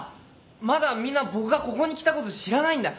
まだみんな僕がここに来たこと知らないんだ。